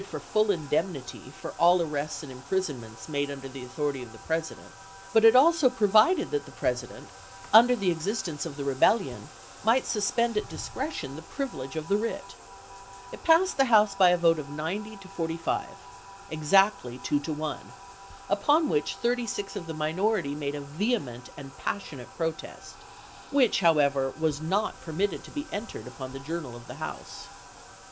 ii. for full indemnity for all arrests and imprisonments made under authority of the President, but it also provided that the President, during the existence of the Rebellion, might suspend at discretion the privilege of the wi'it. It passed the House by "oiobe," a vote of 90 to 45, exactly two to one, upon which pp 20 22. ' 36 of the minority made a vehement and passion ate protest, which, however, was not permitted to be entered upon the journal of the House.